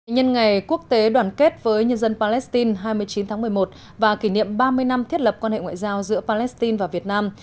nhân ngày quốc tế đoàn kết với nhân dân palestine hai mươi chín tháng một mươi một và kỷ niệm ba mươi năm thiết lập quan hệ ngoại giao giữa palestine và việt nam